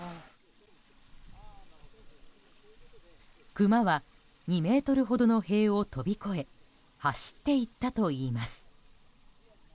クマは２ｍほどの塀を飛び越え走っていったといいます。